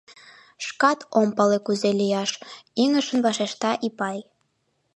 — Шкат ом пале, кузе лияш, — ӱҥышын вашешта Ипай.